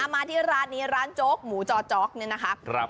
มาที่ร้านนี้ร้านโจ๊กหมูจอจ๊อกเนี่ยนะคะ